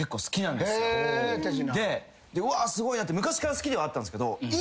すごいなって昔から好きではあったんすけど。